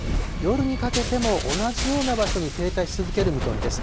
夜にかけても同じような場所に停滞し続ける見込みです。